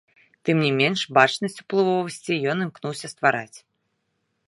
Тым не менш бачнасць уплывовасці ён імкнуўся ствараць.